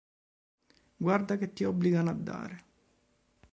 Guarda che ti obbligano a dare!